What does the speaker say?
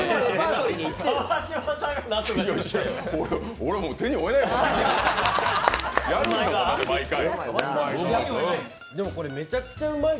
俺、もう手に負えないもん。